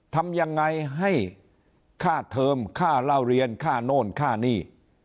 ทำยังไงให้ค่าเทิมค่าเล่าเรียนค่าโน่นค่าหนี้